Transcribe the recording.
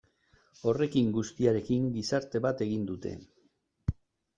Horrekin guztiarekin gizarte bat egin dute.